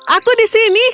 aku di sini